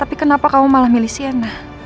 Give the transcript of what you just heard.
tapi kenapa kamu malah milih siana